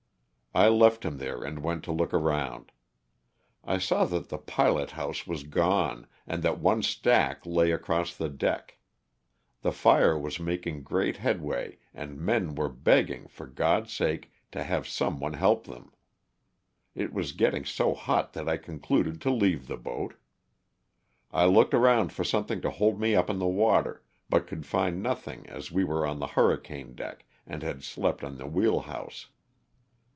I left him there and went to look around. I saw that the pilot house was gone and that one stack lay across the deck. The fire was making great headway and men were begging, for God's sake, to have some one help them. It was getting so hot that I concluded to leave the boat. I looked around for something to hold me up in the water, but could find nothing as we were on the hurricane deck and had slept on the wheel house.